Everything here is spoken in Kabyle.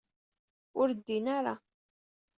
Ur ddin ara.